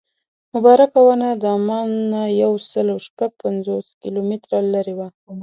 مبارکه ونه د عمان نه یو سل او شپږ پنځوس کیلومتره لرې ده.